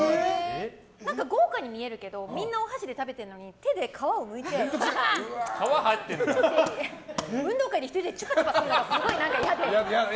豪華に見えるけどみんなお箸で食べてるのに手で皮をむいて運動会で１人だけチュパチュパするのがすごい嫌で。